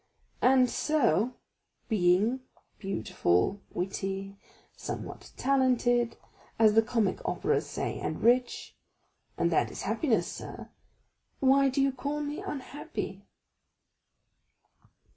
And so—being, beautiful, witty, somewhat talented, as the comic operas say, and rich—and that is happiness, sir—why do you call me unhappy?"